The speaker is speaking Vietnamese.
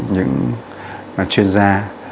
những chuyên gia